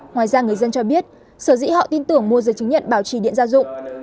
ngoài ra người dân cho biết sở dĩ họ tin tưởng mua giấy chứng nhận bảo trì như thế